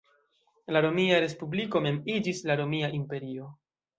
La Romia Respubliko mem iĝis la Romia Imperio.